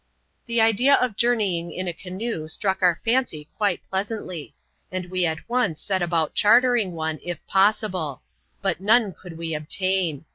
The idea of journeying in a canoe struck our fancy quite pleasantly ; and we at once set about chartering one, if pos isible. But none could we obtain.